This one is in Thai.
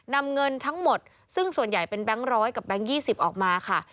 นำเงินทั้งหมดซึ่งส่วนใหญ่เป็นแบงค์ร้อยกับแก๊ง๒๐ออกมาค่ะ